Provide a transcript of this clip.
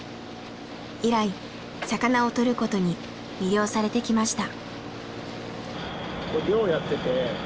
以来魚をとることに魅了されてきました。